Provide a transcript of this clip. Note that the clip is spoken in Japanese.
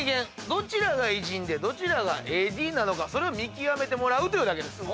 どちらが偉人でどちらがＡＤなのかそれを見極めてもらうというだけです。